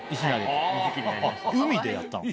海でやったの？